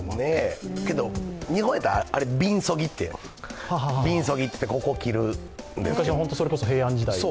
けど日本やったら、あれ、びんそぎって言ってここを切るんですけど。